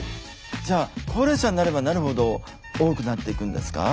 じゃあ高齢者になればなるほど多くなっていくんですか？